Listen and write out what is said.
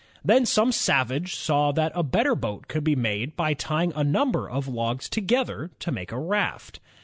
Then some savage saw that a better boat could be made by tying a number of logs together to make a raft.